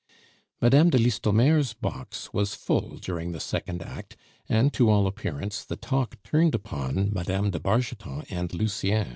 Mme. de Listomere's box was full during the second act, and, to all appearance, the talk turned upon Mme. de Bargeton and Lucien.